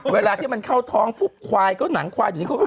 เวลาที่มันเข้าท้องวนหนังควายเยอะเขาก็หายงหากันได้